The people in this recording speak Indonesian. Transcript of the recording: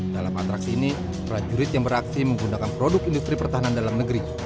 dalam atraksi ini prajurit yang beraksi menggunakan produk industri pertahanan dalam negeri